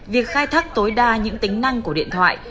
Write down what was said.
việc khai thác tối đa những tính năng của điện thoại